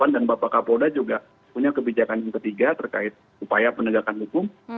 dan bapak kapolda juga punya kebijakan yang ketiga terkait upaya penegakan hukum